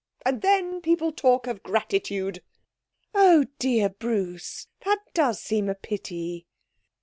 And then people talk of gratitude!' 'Oh, dear, Bruce, that does seem a pity!'